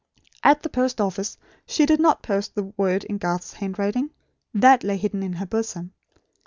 At the post office she did not post the word in Garth's handwriting. That lay hidden in her bosom.